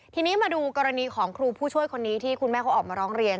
ทีนี้มาดูกรณีของครูผู้ช่วยคนนี้ที่คุณแม่เขาออกมาร้องเรียน